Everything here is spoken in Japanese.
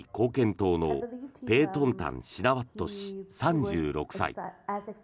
党のペートンタン・シナワット氏３６歳。